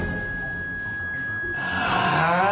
ああ！